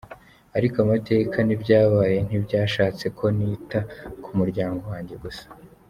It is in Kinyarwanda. Ariko amateka n’ibyabaye ntibyashatse ko nita ku muryango wanjye gusa.